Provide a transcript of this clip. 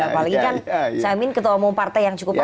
apalagi kan saya amin ketua omong partai yang cukup aman